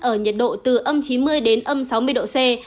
ở nhiệt độ từ âm chín mươi đến âm sáu mươi độ c